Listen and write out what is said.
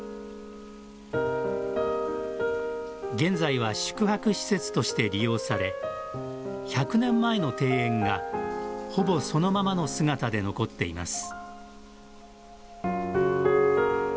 現在は宿泊施設として利用され１００年前の庭園がほぼそのままの姿で残っています。